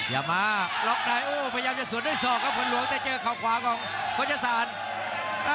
อย่ามาล็อกนายอู้พยายามจะสวดด้วยสอกครับผลลวงแต่เจอข้าวขวาของกฏศาล